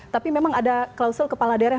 tapi memang ada klausul kepala daerah